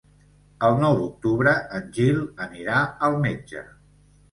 El nou d'octubre en Gil anirà al metge.